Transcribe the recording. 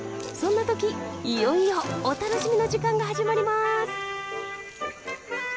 そんな時いよいよお楽しみの時間が始まります。